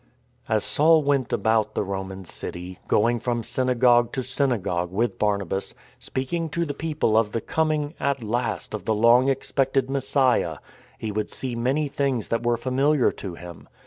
As Saul went about the Roman city, going from synagogue to synagogue with Barnabas, speaking to the people of the coming, at last, of the long expected Messiah, he would see many things that were familiar to him.